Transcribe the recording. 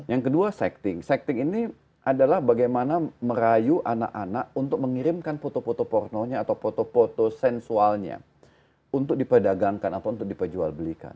yang kedua secting sekting ini adalah bagaimana merayu anak anak untuk mengirimkan foto foto pornonya atau foto foto sensualnya untuk diperdagangkan atau untuk diperjualbelikan